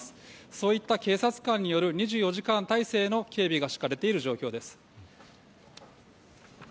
そういった警察官による２４時間態勢の警備が敷かれている状況です。